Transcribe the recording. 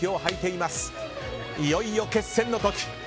いよいよ、決戦の時。